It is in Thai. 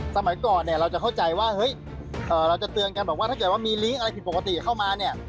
สมัยก่อนเนี่ยเราจะเข้าใจว่าเฮ้ยเราจะเตือนกันบอกว่าถ้าเกิดว่ามีลิงก์อะไรผิดปกติเข้ามาเนี่ย